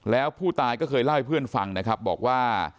แล้วผู้ตายก็เคยเล่าให้เพื่อนฟังนะครับบอกว่า